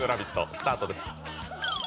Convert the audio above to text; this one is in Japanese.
スタートです。